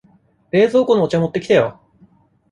冷蔵庫のお茶持ってきてよ。